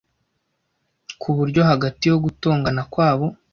ku buryo hagati yo gutongana kwabo